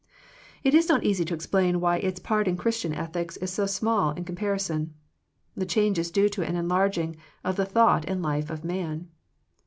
It is not easy to explain why its part in Christian ethics is so small in compari son. The change is due to an enlarging of the thought and life of man.